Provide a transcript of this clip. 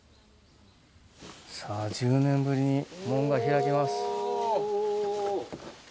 さあ、１０年ぶりに門が開きます。